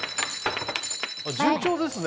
順調ですね